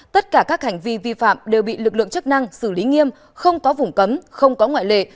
tất cả các hành vi vi phạm đều bị lực lượng chức năng xử lý nghiêm không có vùng cấm không có ngoại lệ